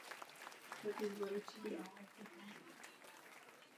Název znamená v místním jazyce „rudé vrby“.